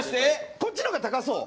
こっちのが高そう。